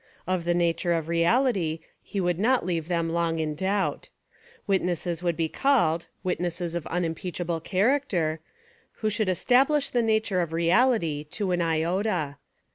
Of the nature of reahty he would not leave them long in doubt. Witnesses would be called (witnesses of unimpeachable character) who should es tablish the nature of reality to an iota.